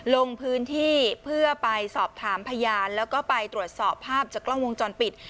ลงพื้นที่เพื่อไปสอบถามพยานแล้วก็ไปตรวจสอบภาพจากกล้องวงจรปิด